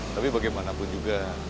tapi bagaimanapun juga